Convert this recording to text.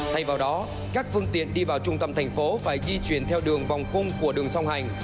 thay vào đó các phương tiện đi vào trung tâm thành phố phải di chuyển theo đường vòng cung của đường song hành